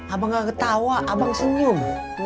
abang gak ketawa abang senyum